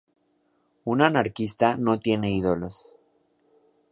Un anarquista no tiene ídolos"".